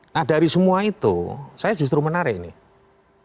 nah dari semua itu saya justru menarik nih